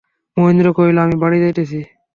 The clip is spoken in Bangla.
মহেন্দ্র কহিল, আমি বাড়ি যাইতেছি।